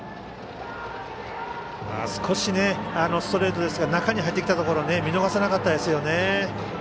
ストレートですが中に入ってきたところを見逃さなかったですよね。